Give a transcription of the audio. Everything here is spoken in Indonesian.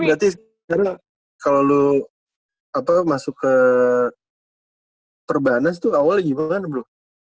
tapi berarti sekarang kalau lu masuk ke perbanas tuh awalnya gimana bro